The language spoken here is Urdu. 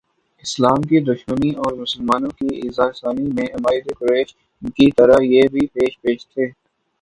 اسلام کی دشمنی اورمسلمانوں کی ایذارسانی میں عمائد قریش کی طرح یہ بھی پیش پیش تھے